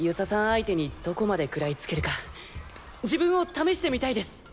相手にどこまで食らいつけるか自分を試してみたいです！